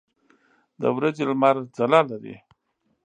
د ورځې لمر ځلا لري.